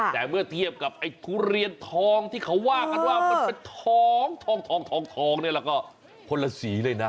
แต่เมื่อเทียบกับไอ้ทุเรียนทองที่เค้าว่ากันว่ามันทองแล้วก็คนละสีเลยนะ